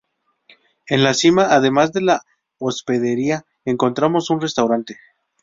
En la cima además de la hospedería encontramos un restaurante.